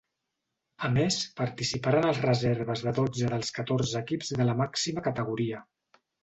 A més participaren els reserves de dotze dels catorze equips de la màxima categoria.